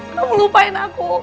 kamu lupain aku